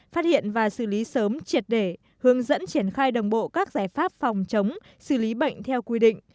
phát hiện và xử lý sớm triệt để hướng dẫn triển khai đồng bộ các giải pháp phòng chống xử lý bệnh theo quy định